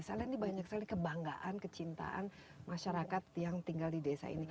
saya lihat ini banyak sekali kebanggaan kecintaan masyarakat yang tinggal di desa ini